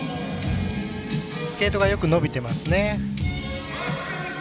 スケートがよく伸びてますね。